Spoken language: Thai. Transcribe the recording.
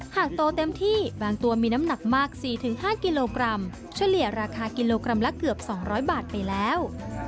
โตเต็มที่บางตัวมีน้ำหนักมาก๔๕กิโลกรัมเฉลี่ยราคากิโลกรัมละเกือบ๒๐๐บาทไปแล้ว